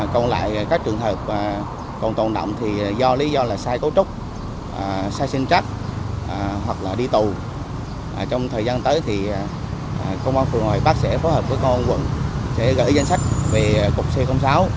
còn lại các trường hợp còn tồn động thì do lý do sai cấu trúc sai sinh trắc